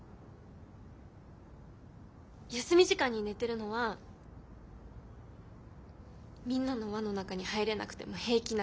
休み時間に寝てるのはみんなの輪の中に入れなくても平気なふり。